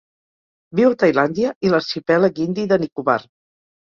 Viu a Tailàndia i l'arxipèlag indi de Nicobar.